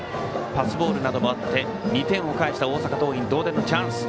パスボールなどもあって２点を返した大阪桐蔭同点のチャンス。